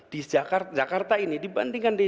di jakarta ini dibandingkan di